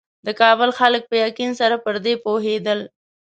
د کابل خلک په یقین سره پر دې پوهېدل.